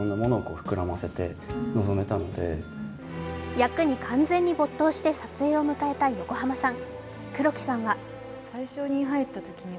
役に完全に没頭して撮影を迎えた横浜さん。